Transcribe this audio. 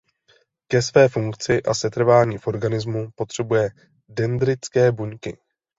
Ke své funkci a setrvání v organismu potřebuje dendritické buňky.